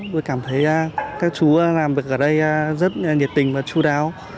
tôi cảm thấy các chú làm việc ở đây rất nhiệt tình và chú đáo